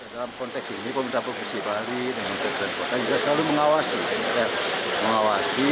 dalam konteks ini pemerintah provinsi bali dan pemerintah kota juga selalu mengawasi